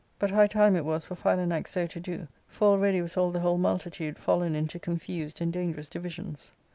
But high time it was for Phi* lanax so to do ; for already was all the whole multitude fallen into confused and dangerous divisions.